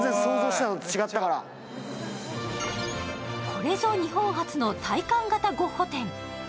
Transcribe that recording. これぞ日本初の体感型ゴッホ展。